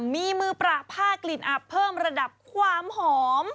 มีมือประผ้ากลิ่นอับเพิ่มระดับความหอม